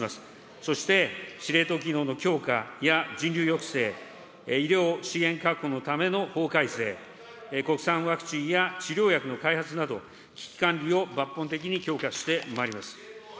そして司令塔機能の強化や、人流抑制、医療資源確保のための法改正、国産ワクチンや治療薬の開発など、危機管理を抜本的に強化してまいります。